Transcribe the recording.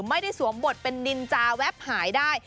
ไม่ได้สวมบทเป็นนินจาแวบหายได้